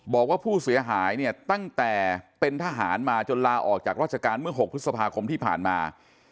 บอกว่าผู้เสียหายเนี่ยตั้งแต่เป็นทหารมาจนลาออกจากราชการเมื่อ๖พฤษภาคมที่ผ่านมา